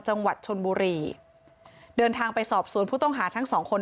จังหวัดชนบุรีเดินทางไปสอบสวนผู้ต้องหาทั้งสองคน